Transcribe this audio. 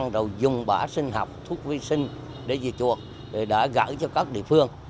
rồi dùng bã sinh học thuốc vi sinh để diệt chuột đã gửi cho các địa phương